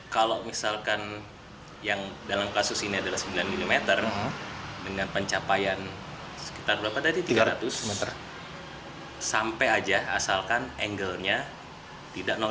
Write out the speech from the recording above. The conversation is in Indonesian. kalau misalkan yang dalam kasus ini adalah sembilan mm dengan pencapaian sekitar berapa tadi tiga ratus meter sampai aja asalkan angle nya tidak